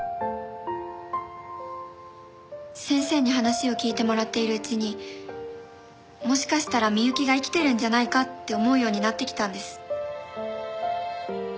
先生に話を聞いてもらっているうちにもしかしたら美雪が生きてるんじゃないかって思うようになってきたんです。